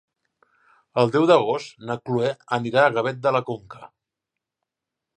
El deu d'agost na Cloè anirà a Gavet de la Conca.